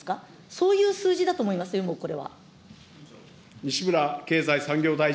そういう数字だと思いますよ、もうこれは。